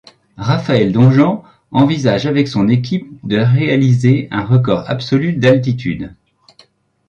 Raphaël Domjan envisage avec son équipe de réaliser un record absolu d'altitude.